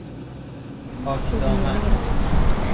یا کدامن